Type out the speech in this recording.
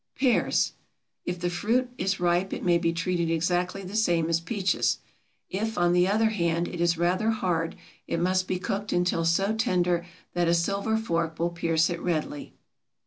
PEARS. If the fruit is ripe it may be treated exactly the same as peaches. If, on the other hand, it is rather hard it must be cooked until so tender that a silver fork will pierce it readily.